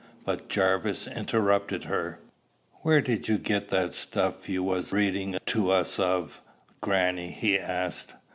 But Jarvis interrupted her. "Where did you get that stuff you was a readin' of to us, grannie?" he asked.